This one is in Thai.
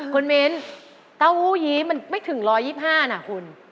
คุณมิ้นเต้าหู้ยี้มันไม่ถึง๑๒๕นะคุณ